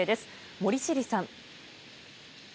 森尻さん。